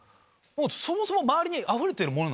そもそも周りにあふれてるものなんだ。